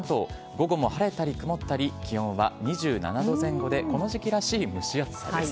午後も晴れたり曇ったり、気温は２７度前後で、この時期らしい蒸し暑さです。